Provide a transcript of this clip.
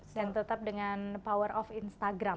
dan tetap dengan power of instagram